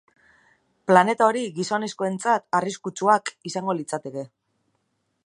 Planeta hori gizonezkoentzat arriskutsuak izango litzateke.